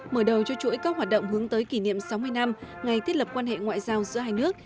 mở đầu cho chuỗi các hoạt động hướng tới kỷ niệm sáu mươi năm ngày thiết lập quan hệ ngoại giao giữa hai nước